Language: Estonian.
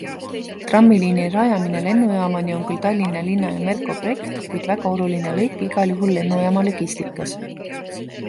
Trammiliini rajamine lennujaamani on küll Tallinna linna ja Merko projekt, kuid väga oluline lõik igal juhul lennujaama logistikas.